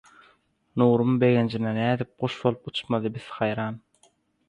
Nurum begenjine nädip guş bolup uçmady biz haýran.